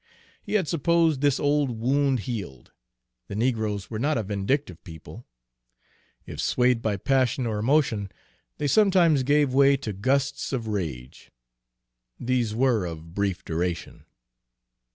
He had supposed this old wound healed. The negroes were not a vindictive people. If, swayed by passion or emotion, they sometimes gave way to gusts of rage, these were of brief duration.